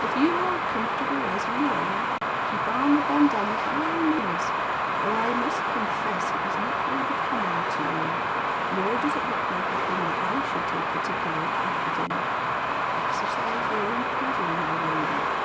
"If you are comfortable as you are, keep on the bandanna by all means, though I must confess it is not very becoming to you, nor does it look like a thing that I should take particular comfort in. Exercise your own pleasure, my lady."